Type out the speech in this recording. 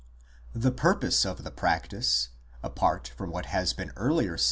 4 The purpose of the practice, apart from what has been said on pp.